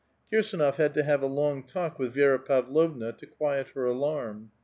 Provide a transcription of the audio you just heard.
Kirsdnof had to have a long talk with Vi^ra Pavlovna, to quiet her alarm.